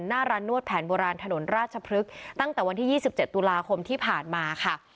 หน้าร้านนวดแผนโบราณถนนราชพฤกษ์ตั้งแต่วันที่๒๗ตุลาคมที่ผ่านมาค่ะ